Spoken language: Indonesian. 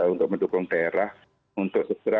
untuk mendukung daerah untuk segera